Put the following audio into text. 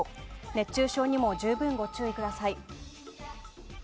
熱中症にも十分ご注意ください。